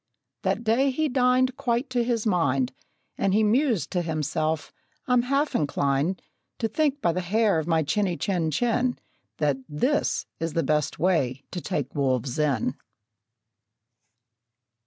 That day he dined quite to his mind; And he mused to himself, "I'm half inclined To think, by the hair of my chinny, chin, chin, That this is the best way to take wolves in!"